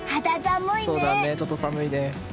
そうだね、ちょっと寒いね。